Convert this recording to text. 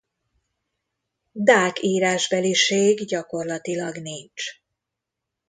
Dák írásbeliség gyakorlatilag nincs.